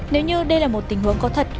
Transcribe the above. nếu như đây là một tình huống có thật